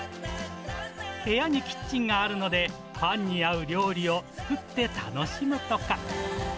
部屋にキッチンがあるので、パンに合う料理を作って楽しむとか。